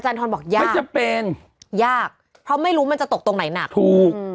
อธธรบอกยากเพราะไม่รู้มันจะตกตรงไหนหนักไม่ทักเป็น